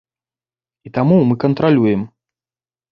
І таму мы кантралюем.